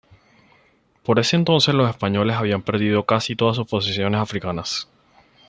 Por ese entonces los españoles habían perdido casi todas sus posesiones africanas.